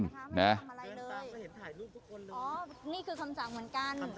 อ๋อนี่คือคำสั่งเหมือนกัน